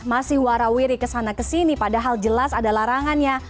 masih warawiri ke sana ke sini padahal jelas ada larangannya